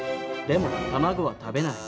でも卵は食べない。